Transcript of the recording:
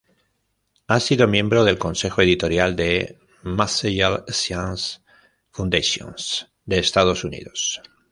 Ha sido miembro del consejo editorial de "Materials Science Foundations" de Estados Unidos.